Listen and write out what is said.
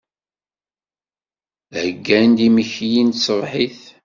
Heyyan-d imekli n tṣebḥit.